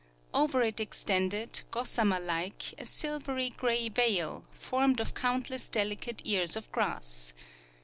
Over it extended, gossamer like, a silvery gray veil, formed of countless delicate ears of grass.